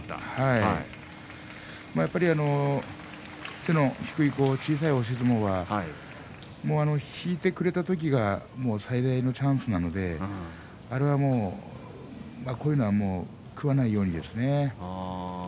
やっぱり背の低い小さい押し相撲は引いてくれた時が最大のチャンスなのでこういうのは食わないようにですね。